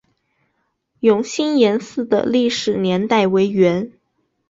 永兴岩寺的历史年代为元。